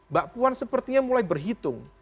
mbak puan sepertinya mulai berhitung